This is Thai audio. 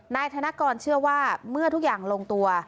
นายธนกรเชื่อว่าเมื่อทุกอย่างลงตัว